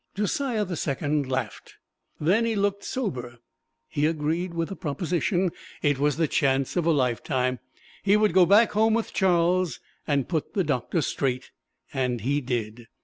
Josiah the Second laughed then he looked sober. He agreed with the proposition it was the chance of a lifetime. He would go back home with Charles and put the Doctor straight. And he did.